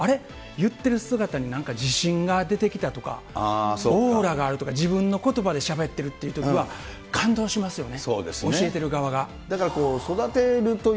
言っている姿になんか自信が出てきたとか、オーラがあるとか、自分のことばでしゃべってるっていうときは、感動しますよね。